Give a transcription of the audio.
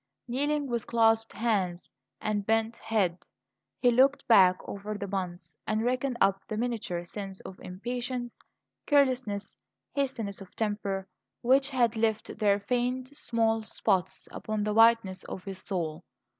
Kneeling with clasped hands and bent head, he looked back over the month, and reckoned up the miniature sins of impatience, carelessness, hastiness of temper, which had left their faint, small spots upon the whiteness of his soul.